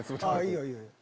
いいよいいよ。